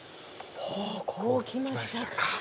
こうきましたか。